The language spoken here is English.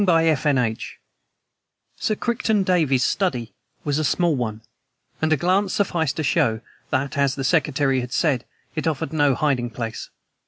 CHAPTER II SIR CRICHTON DAVEY'S study was a small one, and a glance sufficed to show that, as the secretary had said, it offered no hiding place.